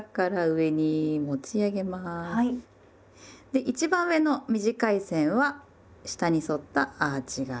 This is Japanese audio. で一番上の短い線は下に反ったアーチ型。